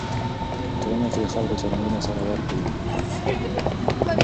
په یوه ټولنه کې د خلکو چلندونه سره ورته وي.